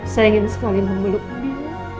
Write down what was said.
saya ingin sekali memeluk dia